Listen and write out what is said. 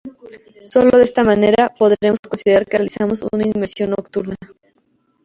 Sólo de esta manera podremos considerar que realizamos una inmersión nocturna.